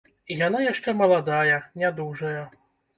Яна яшчэ маладая, нядужая.